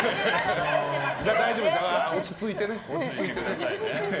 落ち着いてね。